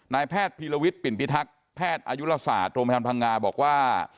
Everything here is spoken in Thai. นายแพทย์พีรวิทย์ปิ่นพิทักษ์แพทย์อายุละศาสตร์โรงพยาบาลพังงาบอกว่า